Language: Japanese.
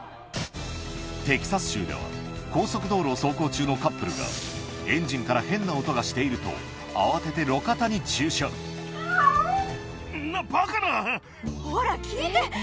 テキサス州では、高速道路を走行中のカップルが、エンジンから変な音がしていると、そんなばかな！